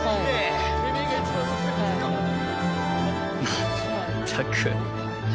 まったく。